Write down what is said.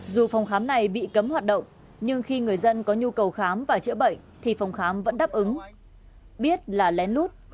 dù phòng khám này bị cấm hoạt động nhưng khi người dân có nhu cầu khám và chữa bệnh thì phòng khám vẫn đáp ứng biết là lén lút